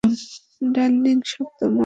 Darling, সব তোমার।